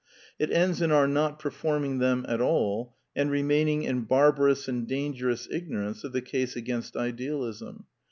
It ends in our not performing them at all, and remaining in barbarous and dangerous igno rance of the case against idealism.